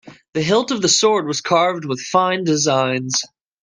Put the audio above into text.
The hilt of the sword was carved with fine designs.